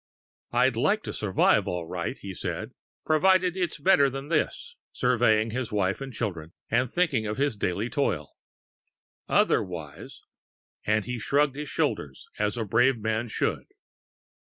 "I'd like to survive all right," he said, "provided it's better than this," surveying his wife and children, and thinking of his daily toil. "Otherwise !" and he shrugged his shoulders as a brave man should.